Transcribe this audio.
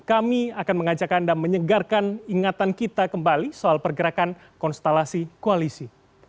kami akan mengajak anda menyegarkan ingatan kita kembali soal pergerakan konstelasi koalisi